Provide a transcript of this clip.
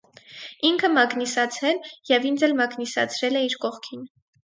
Ինքը մագնիսացել և ինձ էլ մագնիսացրել էր իր կողքին: